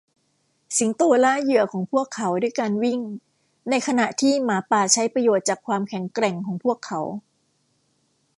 สิงโตล่าเหยื่อของพวกเขาด้วยการวิ่งในขณะที่หมาป่าใช้ประโยชน์จากความแข็งแกร่งของพวกเขา